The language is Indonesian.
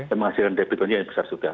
dan menghasilkan debiton yang besar sudah